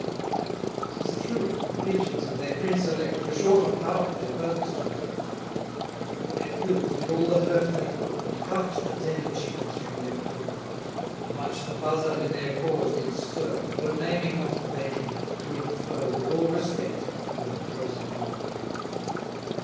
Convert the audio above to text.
'Tis true, the Pigeons, and their prince elect, Were short of power, their purpose to effect: But with their quills did all the hurt they could, And cuff'd the tender Chickens from their food: And much the Buzzard in their cause did stir, Though naming not the patron, to infer, With all respect, he was a gross idolater.